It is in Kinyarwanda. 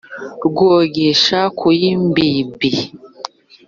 Rwogesha ku y' imbibi